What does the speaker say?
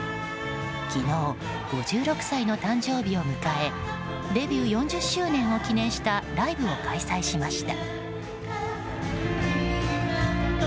昨日５６歳の誕生日を迎えデビュー４０周年を記念したライブを開催しました。